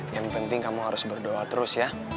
yang penting kamu harus berdoa terus ya